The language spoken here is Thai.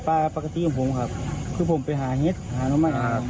พากะทีของผมค่ะคือผมไปหาเห็นเห็นหรือไม่รับ